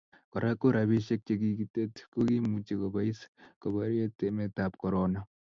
Kora ko robishiek che kikitet ko kiimuch kobois koborie emetab korona